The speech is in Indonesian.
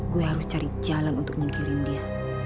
gue harus cari jalan untuk mengirim dia